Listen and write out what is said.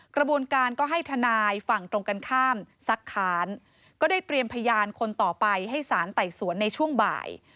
กระบวนการก็ให้ทนายฝั่งตรงกันข้ามสักค้านก็ได้เตรียมพยานคนต่อไปให้สารไต่สวนในช่วงบ่าย